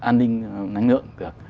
an ninh năng lượng được